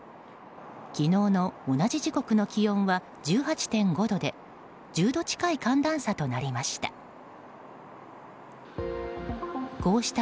昨日の同じ時刻の気温は１８．５度で１０度近い寒暖差となりました。